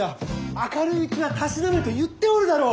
明るいうちはたしなめと言っておるだろう！